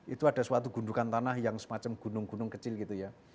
itu ada suatu gundukan tanah yang semacam gunung gunung kecil gitu ya